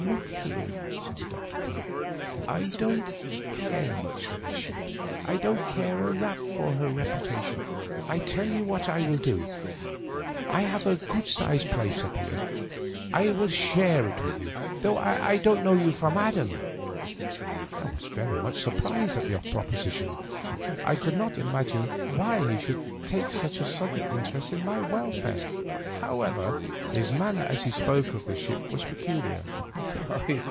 Look here," said the doctor, quietly, " I don't care much for this ship. I don't care a rap for her reputa tion. I tell you what I will do. I have a good sized Digitized by VjOOQIC THE UPPER BERTH, 29 place up here. I will share it with you, though I don't know you from Adam," I was very much suprised at the proposition, I could not imagine why he should take such a sudden interest in my welfare. However, his manner as he spoke of the ship was peculiar.